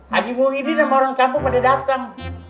haji muhyiddin sama orang sekampung pada dateng